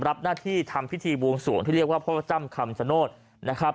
รับหน้าที่ทำพิธีบวงสวงที่เรียกว่าพ่อจ้ำคำชโนธนะครับ